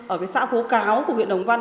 ở cái xã phố cáo của huyện đồng văn